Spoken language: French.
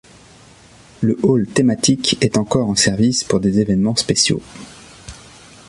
Le hall thématique est encore en service pour des événements spéciaux.